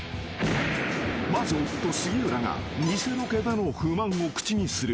［まず夫杉浦が偽ロケでの不満を口にする］